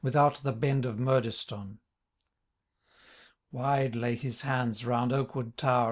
Without the hend of Murdieston.* Wide lay his lands round Oakwood towei.